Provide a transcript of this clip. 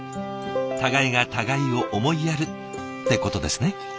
互いが互いを思いやるってことですね。